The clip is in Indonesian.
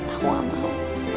aku gak mau